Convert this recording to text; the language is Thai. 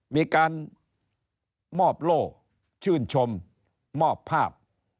มีการมอบโล่ชื่นชมมอบภาพ